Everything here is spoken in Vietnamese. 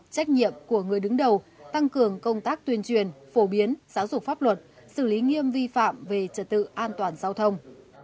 trách nhiệm của người đứng đầu tăng cường công tác tuyên truyền phổ biến giáo dục pháp luật xử lý nghiêm vi phạm về trật tự an toàn giao thông